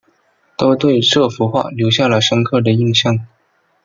都对这幅画留下了深刻的印象